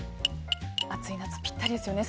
暑い夏にぴったりですよね。